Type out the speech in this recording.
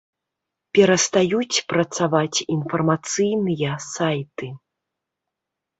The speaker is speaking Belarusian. Перастаюць працаваць інфармацыйныя сайты.